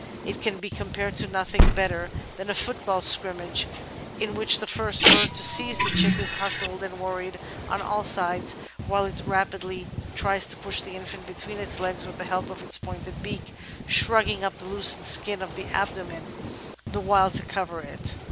It can be compared to nothing better than a football 'scrimmage' in which the first bird to seize the chick is hustled and worried on all sides while it rapidly tries to push the infant between its legs with the help of its pointed beak, shrugging up the loose skin of the abdomen the while to cover it.